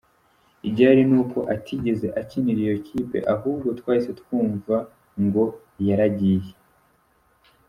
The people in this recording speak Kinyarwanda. Igihari ni uko atigeze akinira iyo kipe ahubwo twahise twumva ngo yaragiye”.